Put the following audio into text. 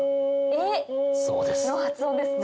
「エ」の発音ですね。